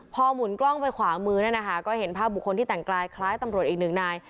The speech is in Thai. พอหมุนกล้องไปขวามือนั่นนะคะก็เห็นภาพบุคคลที่แต่งกายคล้ายตำรวจอีกหนึ่งนาย